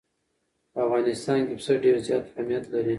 په افغانستان کې پسه ډېر زیات اهمیت لري.